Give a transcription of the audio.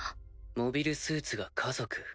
モビルスーツが家族？